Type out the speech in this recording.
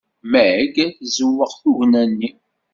Meg tzewweq tugna-nni.